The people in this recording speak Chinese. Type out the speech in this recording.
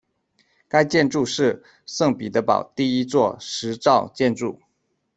该建筑是圣彼得堡第一座石造建筑。